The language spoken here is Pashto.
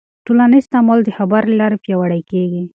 ټولنیز تعامل د خبرو له لارې پیاوړی کېږي.